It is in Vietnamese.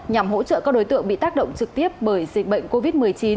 nhằm hỗ trợ các đối tượng bị tác động trực tiếp bởi dịch bệnh covid một mươi chín